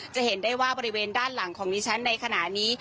จะเห็นได้ว่าบริเวณด้านหลังของดิฉันในขณะนี้